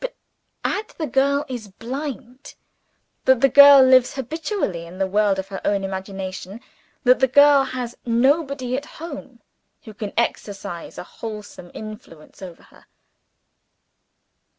But add that the girl is blind; that the girl lives habitually in the world of her own imagination; that the girl has nobody at home who can exercise a wholesome influence over her.